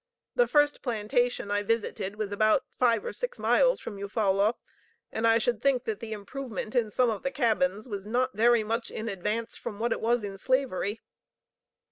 The first plantation I visited was about five or six miles from Eufaula, and I should think that the improvement in some of the cabins was not very much in advance of what it was in Slavery.